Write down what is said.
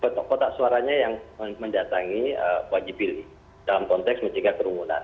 kotak kotak suaranya yang mendatangi wajib pilih dalam konteks mencegah kerumunan